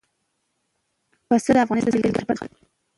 پسه د افغانستان د سیلګرۍ برخه ده.